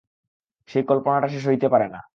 সেই কল্পনাটা সে সইতে পারে না।